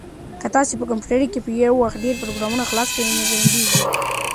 که تاسي په کمپیوټر کې په یو وخت ډېر پروګرامونه خلاص کړئ نو ځنډیږي.